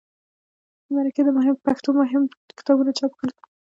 مرکې د پښتو مهم کتابونه چاپ کړل.